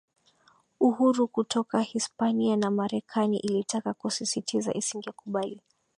uhuru kutoka Hispania na Marekani ilitaka kusisitiza isingekubali